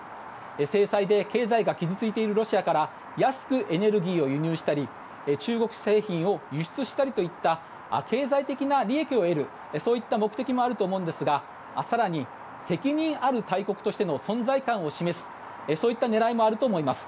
制裁で経済が傷ついているロシアから安くエネルギーを輸入したり中国製品を輸出したりといった経済的な利益を得るそんな目的もあると思いますが更に、責任ある大国としての存在感を示すそういった狙いもあると思います。